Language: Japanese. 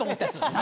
何？